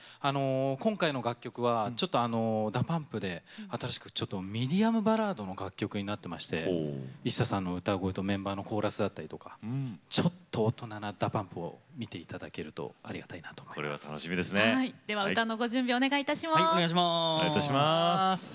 今回の楽曲はＤＡＰＵＭＰで新しくミディアムバラードの楽曲になっていましてＩＳＳＡさんの歌声とメンバーのコーラスだとかちょっと大人なＤＡＰＵＭＰを見ていただけるとありがたいなと思います。